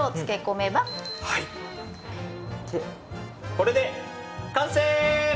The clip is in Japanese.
これで完成。